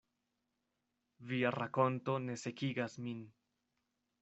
“Via rakonto ne sekigas min.”